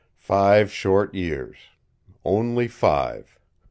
Five short years only five.